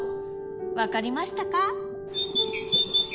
分かりましたか？